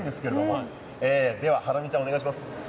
ではハラミちゃんお願いします。